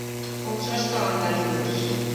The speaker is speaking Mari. Полшаш тыланда кӱлеш.